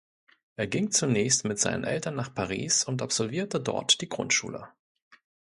Er ging zunächst mit seinen Eltern nach Paris und absolvierte dort die Grundschule.